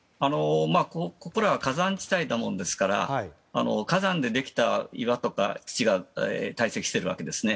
ここらは火山地帯ですから火山でできた岩や土が堆積しているわけですね。